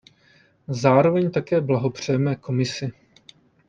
Zároveň také blahopřejeme Komisi.